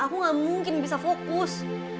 aku gak mungkin bisa fokus